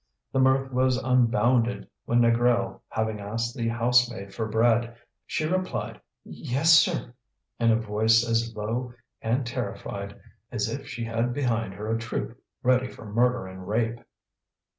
The mirth was unbounded when Négrel, having asked the housemaid for bread, she replied, "Yes, sir," in a voice as low and terrified as if she had behind her a troop ready for murder and rape.